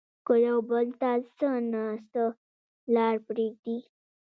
که يو بل ته څه نه څه لار پرېږدي